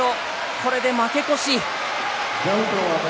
これで負け越し。